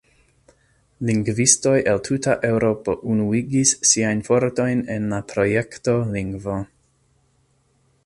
Lingvistoj el tuta Eŭropo unuigis siajn fortojn en la projekto lingvo.